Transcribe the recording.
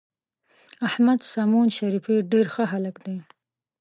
احمد سمون شریفي ډېر ښه هلک دی.